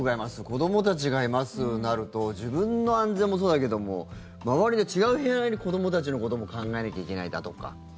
子どもたちがいますになると自分の安全もそうだけども周りの違う部屋の子どもたちのことも考えなきゃいけないだとか。